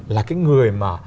là cái người mà